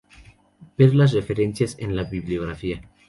Ver las referencias en la bibliografía.